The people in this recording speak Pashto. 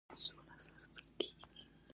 کچالو له شولو سره ګډ پخېږي